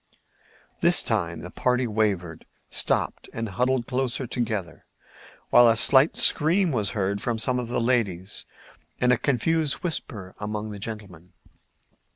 This time the party wavered, stopped and huddled closer together, while a slight scream was heard from some of the ladies and a confused whispering among the gentlemen.